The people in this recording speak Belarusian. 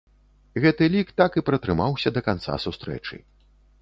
Гэты лік так і пратрымаўся да канца сустрэчы.